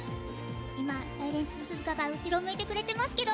今、サイレンススズカが後ろを向いてくれてますけど。